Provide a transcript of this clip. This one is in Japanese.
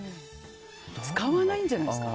使わないんじゃないですか？